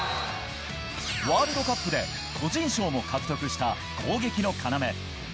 ワールドカップで個人賞も獲得した攻撃の要。